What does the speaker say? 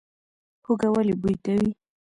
هوږه ولې بوی کوي؟